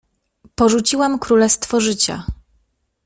Porzuciłam królestwo życia.